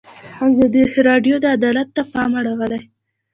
ازادي راډیو د عدالت ته پام اړولی.